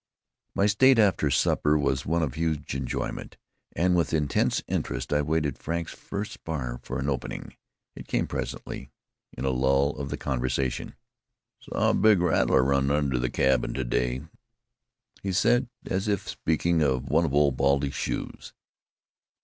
My state after supper was one of huge enjoyment and with intense interest I awaited Frank's first spar for an opening. It came presently, in a lull of the conversation. "Saw a big rattler run under the cabin to day," he said, as if he were speaking of one of Old Baldy's shoes.